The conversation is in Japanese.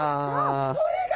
これが！